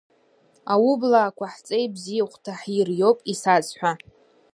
Аублаақәа ҳҵеи бзиахә Ҭаҳир иоуп исазҳәа.